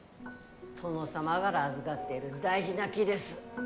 殿様がら預がってる大事な木です。